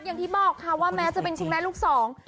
อย่างที่บอกค่ะว่าแม้จะเป็นชิงแม่ลูกสอง